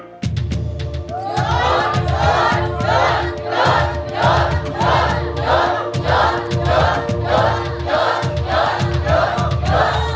หยุดหยุดหยุด